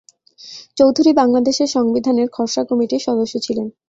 চৌধুরী বাংলাদেশের সংবিধানের খসড়া কমিটির সদস্য ছিলেন।